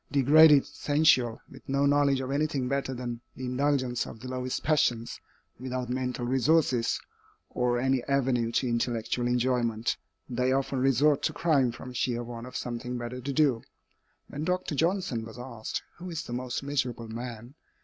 Degraded, sensual, with no knowledge of anything better than the indulgence of the lowest passions, without mental resources, or any avenue to intellectual enjoyment, they often resort to crime from sheer want of something better to do. When Dr. Johnson was asked, "Who is the most miserable man?"